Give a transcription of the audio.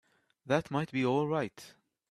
That might be all right.